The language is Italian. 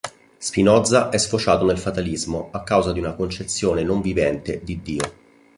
Spinoza è sfociato nel fatalismo a causa di una concezione non vivente di Dio.